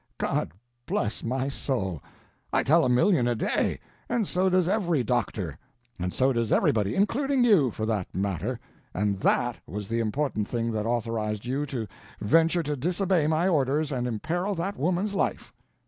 God bless my soul! I tell a million a day! And so does every doctor. And so does everybody including you for that matter. And _that _was the important thing that authorized you to venture to disobey my orders and imperil that woman's life!